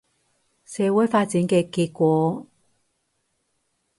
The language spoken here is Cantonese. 社會發展嘅結果